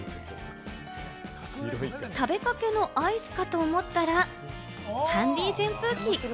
食べかけのアイスかと思ったら、ハンディ扇風機。